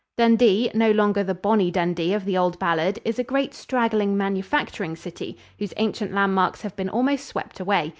Dundee, no longer the "Bonnie Dundee" of the old ballad, is a great straggling manufacturing city, whose ancient landmarks have been almost swept away.